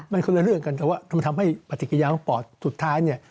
มันคือเรื่องกันแต่ว่าทำให้ปฏิกิริยาของปอดสุดท้าย